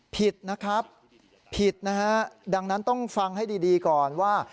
ผิดนะครับผิดนะฮะดังนั้นต้องฟังให้ดีก่อนว่า